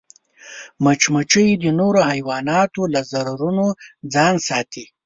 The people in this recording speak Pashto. مچمچۍ د نورو حیواناتو له ضررونو ځان ساتي